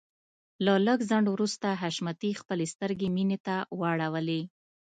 له لږ ځنډ وروسته حشمتي خپلې سترګې مينې ته واړولې.